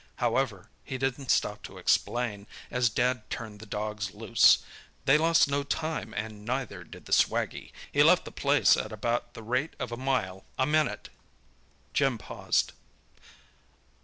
However, he didn't stop to explain, as Dad turned the dogs loose. They lost no time, and neither did the swaggie. He left the place at about the rate of a mile a minute!" Jim paused.